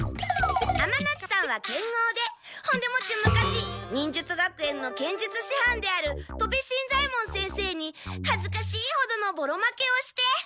尼夏さんは剣豪でほんでもって昔忍術学園の剣術しはんである戸部新左ヱ門先生にはずかしいほどのぼろ負けをして。